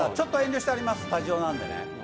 スタジオ何でね。